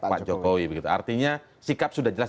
pak jokowi begitu artinya sikap sudah jelas